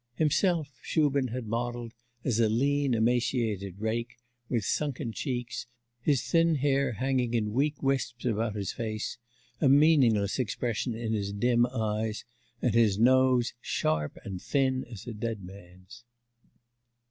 Himself Shubin had modelled as a lean emaciated rake, with sunken cheeks, his thin hair hanging in weak wisps about his face, a meaningless expression in his dim eyes, and his nose sharp and thin as a dead man's.